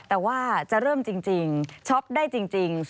แต่ว่าจะเริ่มจริงช็อปได้จริง